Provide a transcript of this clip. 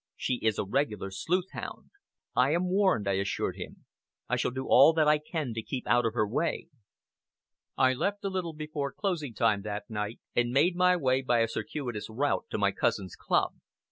She is a regular sleuth hound." "I am warned," I assured him. "I shall do all that I can to keep out of her way." I left a little before closing time that night, and made my way, by a circuitous route, to my cousin's club.